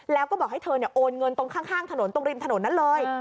แล้วก็บอกให้เธอโอนเงินตรงข้างถนนตรงริมถนนนั้นเลย